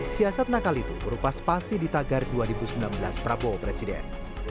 siasat nakal itu berupa spasi di tagar dua ribu sembilan belas prabowo presiden